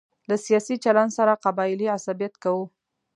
له سیاسي چلن سره قبایلي عصبیت کوو.